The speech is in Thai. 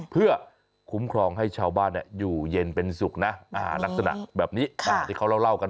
เพื่อคุ้มครองให้ชาวบ้านอยู่เย็นเป็นสุขนะลักษณะแบบนี้ที่เขาเล่ากัน